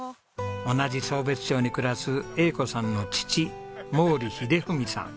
同じ壮瞥町に暮らす英子さんの父毛利英文さん。